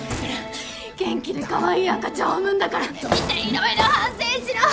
元気でカワイイ赤ちゃんを産むんだから見て色々反省しろ！